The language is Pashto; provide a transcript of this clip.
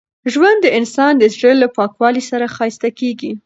ژوند د انسان د زړه له پاکوالي سره ښایسته کېږي.